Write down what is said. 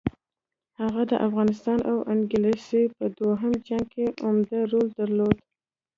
هغه د افغانستان او انګلیس په دوهم جنګ کې عمده رول درلود.